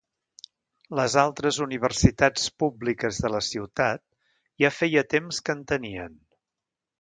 Les altres universitats públiques de la ciutat ja feia temps que en tenien.